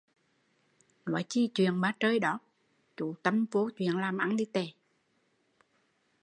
Nói chi chuyện ma trơi đó, chú tâm vô chuyện làm ăn